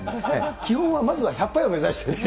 基本は、まずは１００杯を目指して。